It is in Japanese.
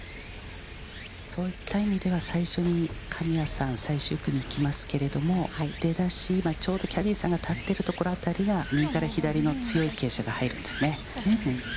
そういった意味では、最初に神谷さん、最終組が行きますけれども、出だし、ちょうどキャディーさんが立っているところあたりが、右から左の強い傾斜が入るんですね。